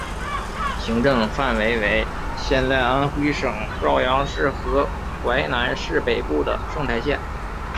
行政范围为现在安徽省阜阳市和淮南市北部的凤台县。